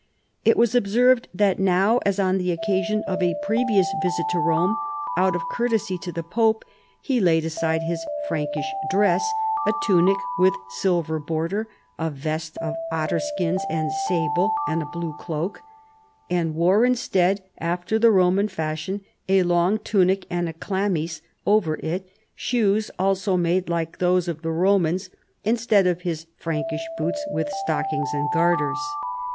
It was observed that now, as on the occasion of a previous visit to Rome, out of courtesy to the pope he laid aside his Prankish dress — a tunic with silver border, a vest of otter skins and sable, and a blue cloak — and wore in stead, after the Roman fashion, a long tunic and a chlamys * over it, shoes also made like those of the Romans, instead of his Prankish boots with stock ings and garters.